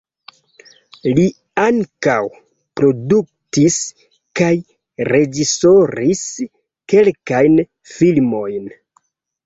Li ankaŭ produktis kaj reĝisoris kelkajn filmojn.